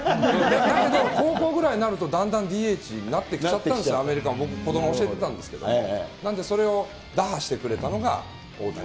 だけど高校ぐらいになると、だんだんＤＨになってきちゃったんです、アメリカも、僕も子ども教えてたんですけど、なんでそれを打破してくれたのが大谷。